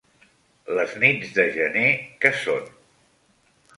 Les nits de gener què són?